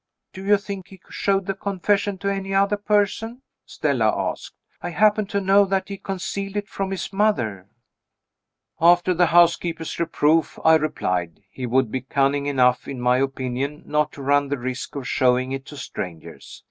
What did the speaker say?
"Do you think he showed the confession to any other person?" Stella asked. "I happen to know that he concealed it from his mother." "After the housekeeper's reproof," I replied, "he would be cunning enough, in my opinion, not to run the risk of showing it to strangers.